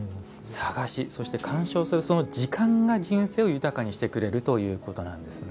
探し、そして観賞するその時間が人生を豊かにしてくれるということなんですね。